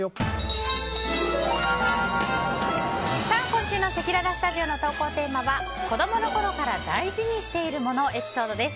今週のせきららスタジオの投稿テーマは子供の頃から大事にしている物エピソードです。